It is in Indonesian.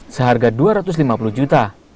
seharga dua ratus lima puluh juta